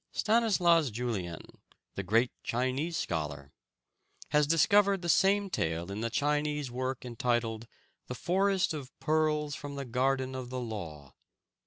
Stanislaus Julien, the great Chinese scholar, has discovered the same tale in the Chinese work entitled "The Forest of Pearls from the Garden of the Law."